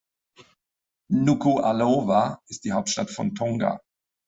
Nukuʻalofa ist die Hauptstadt von Tonga.